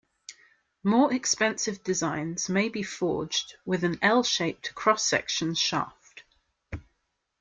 More expensive designs may be forged with an I-shaped cross-section shaft.